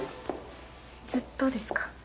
ずっとですか？